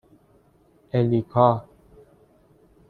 اِلیکا